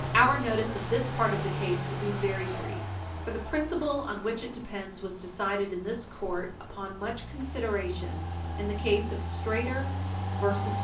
Our notice of this part of the case will be very brief, for the principle on which it depends was decided in this court, upon much consideration, in the case of Strader et al.